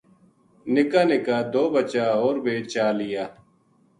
نِکا نِکا دو بچا ہو ر بے چالیا